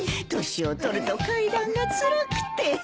年を取ると階段がつらくて。